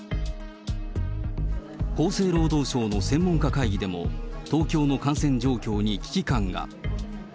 厚生労働省の専門家会議でも、東京の感染状況に危機感が。